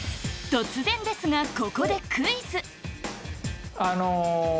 突然ですがここであの。